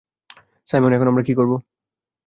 Simon, এখন আমরা কী করব?